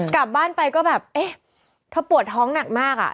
กลับบ้านไปก็แบบเอ๊ะเธอปวดท้องหนักมากอ่ะ